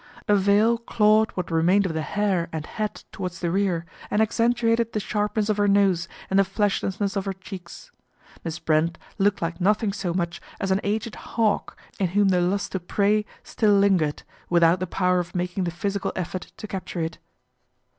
A veil clawed what remained of the hair and hat towards the rear, and accentuated the sharpness of her nose and the fleshlessness of her cheeks. Miss Brent looked like nothing so much as an aged hawk in whom the lust to prey still lingered, without the power of making the physical effort to capture it.